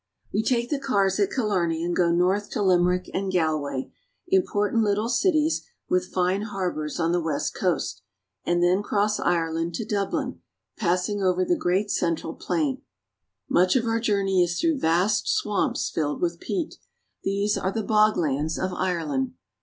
WE take the cars at Killarney and go north to Limer ick and Galway, important little cities with fine harbors on the west coast, and then cross Ireland to Dub lin, passing over the great cen tral plain. Much of our journey is through vast swamps filled with peat. These are the bog lands of Ireland.